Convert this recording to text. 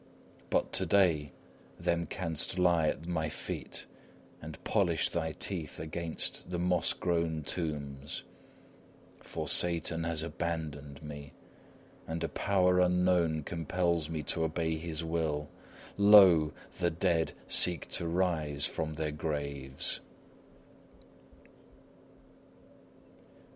But to day thou canst lie at my feet, and polish thy teeth against the moss grown tombs, for Satan has abandoned me, and a power unknown compels me to obey his will. Lo! the dead seek to rise from their graves.